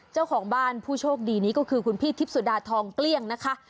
เจ้าของบ้านผู้โชคดีนี้ก็คือคุณพี่ทิพสุดาทองเกลี้ยงนะคะ